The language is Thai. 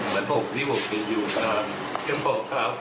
และผมที่ผมเป็นอยู่กันก็ขอบค์ผัก